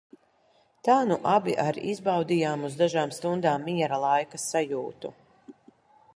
"Tā nu abi ar izbaudījām uz dažām stundām "miera laika" sajūtu."